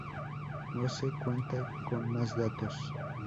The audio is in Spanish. No se cuenta con más datos.